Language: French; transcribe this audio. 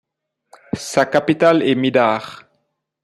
Sa capitale est Midar.